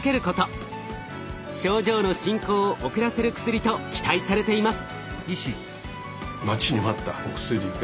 症状の進行を遅らせる薬と期待されています。